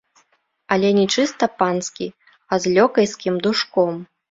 Але не чыста панскі, а з лёкайскім душком.